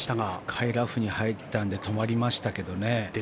深いラフに入ったので止まりましたけどね。